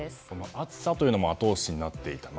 暑さというのも後押しになっていたと。